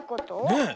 ねえ。